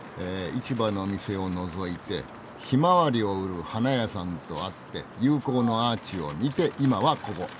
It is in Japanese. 市場の店をのぞいてひまわりを売る花屋さんと会って友好のアーチを見て今はここ。